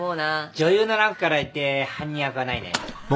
女優のランクからいって犯人役はないね。